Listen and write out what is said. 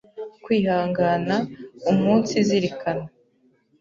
kwihangana, umunsizirikana,